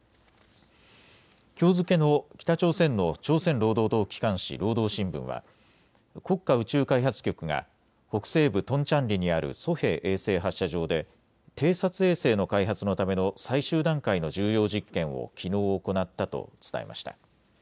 きょう付けの北朝鮮の朝鮮労働党機関紙、労働新聞は国家宇宙開発局が北西部トンチャンリにあるソヘ衛星発射場で偵察衛星の開発のための最終段階の重要実験をきのう行ったと伝えました。